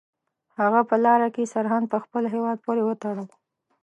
هغه په لاره کې سرهند په خپل هیواد پورې وتاړه.